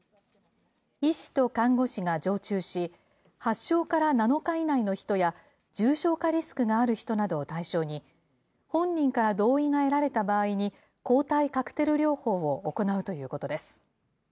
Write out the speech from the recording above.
医師と看護師が常駐し、発症から７日以内の人や、重症化リスクがある人などを対象に、本人から同意が得られた場合に、抗体カクテル療法を行うということです。